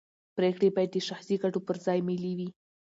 پرېکړې باید د شخصي ګټو پر ځای ملي وي